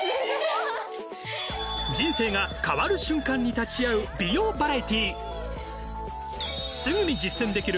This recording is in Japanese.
人生が変わる瞬間に立ち会う美容バラエティー。